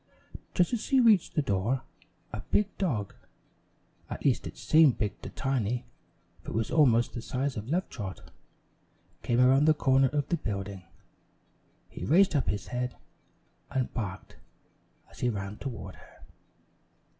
Just as she reached the door, a big dog (at least it seemed big to Tiny, for it was almost the size of Love Trot) came around the corner of the building. He raised up his head and barked as he ran toward her.